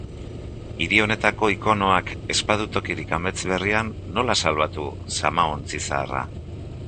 Hiri honetako ikonoak ez badu tokirik amets berrian, nola salbatu zamaontzi zaharra?